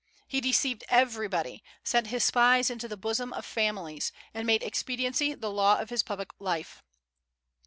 He deceived everybody, sent his spies into the bosom of families, and made expediency the law of his public life.